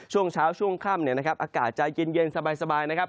ช่วงเช้าช่วงค่ำอากาศจะเย็นสบายนะครับ